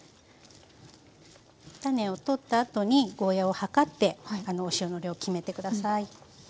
種を取ったあとにゴーヤーを量ってお塩の量決めて下さい。